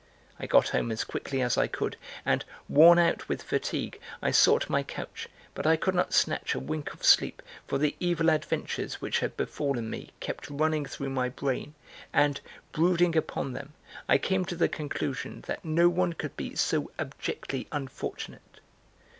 (I got home as quickly as I could and, worn out with fatigue, I sought my couch, but I could not snatch a wink of sleep for the evil adventures which had befallen me kept running through my brain and, brooding upon them, I came to the conclusion that no one could be so abjectly unfortunate.